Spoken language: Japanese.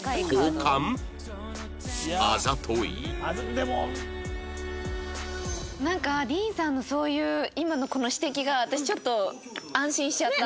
「でも」なんかディーンさんのそういう今のこの指摘が私ちょっと安心しちゃった。